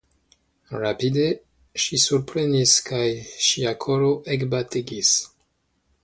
Rapide ŝi supreniris kaj ŝia koro ekbategis.